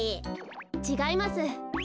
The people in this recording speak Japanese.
ちがいます。